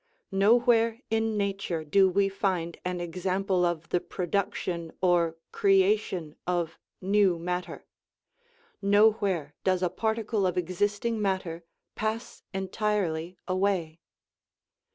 Nowhere in nature do we find an example of the production, or " creation," of new matter; nowhere does a particle of existing matter pass entirely away.